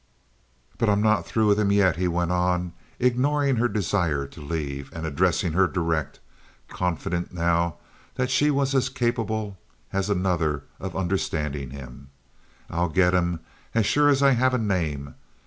"But I'm not through with him yet," he went on, ignoring her desire to leave, and addressing her direct—confident now that she was as capable as another of understanding him. "I'll get him as sure as I have a name.